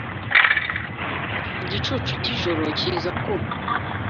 igicucu cyijoro kiza ku